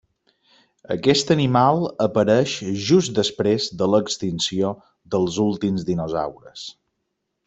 Aquest animal apareix just després de l'extinció dels últims dinosaures.